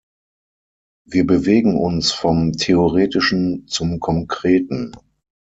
Wir bewegen uns vom Theoretischen zum Konkreten.